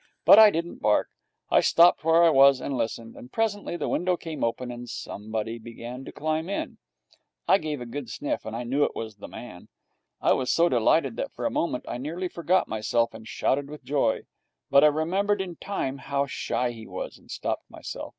But I didn't bark. I stopped where I was and listened. And presently the window came open, and somebody began to climb in. I gave a good sniff, and I knew it was the man. I was so delighted that for a moment I nearly forgot myself and shouted with joy, but I remembered in time how shy he was, and stopped myself.